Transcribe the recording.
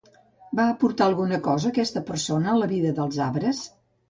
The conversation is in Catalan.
Va aportar alguna cosa aquesta persona a la vida dels arbres?